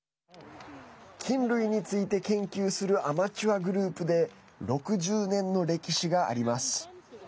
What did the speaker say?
菌類について研究するアマチュアグループで６０年の歴史があります。